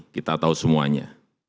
kita tahu semuanya